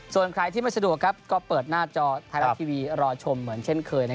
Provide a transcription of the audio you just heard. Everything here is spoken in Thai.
ส่วนใครที่ไม่สะดวกก็เปิดหน้าจอไทยรัฐทีวีรอชมเหมือนเช่นเคย